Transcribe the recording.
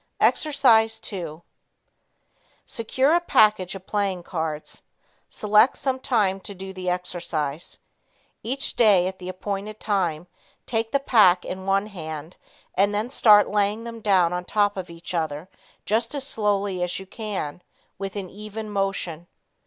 Exercise 2 Secure a package of playing cards. Select some time to do the exercise. Each day at the appointed time, take the pack in one hand and then start laying them down on top of each other just as slowly as you can, with an even motion.